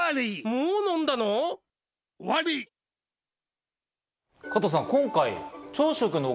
もう飲んだの？